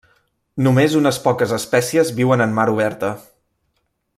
Només unes poques espècies viuen en mar oberta.